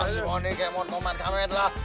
si mondi kemot nomad komet lah